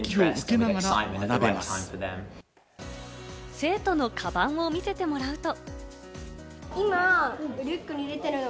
生徒のかばんを見せてもらうと。